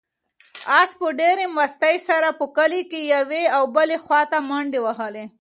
آس په ډېرې مستۍ سره په کلي کې یوې او بلې خواته منډې وهلې.